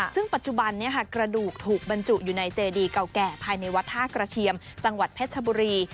ซึ่งปัจจุบันกระดูกถูกบรรจุอยู่ในเจดีเก่าแก่ภายในวัดท่ากระเทียมจังหวัดเพชรชบุรี